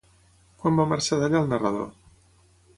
Quan va marxar d'allà el narrador?